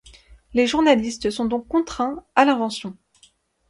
Les journalistes sont donc contraints à l’invention.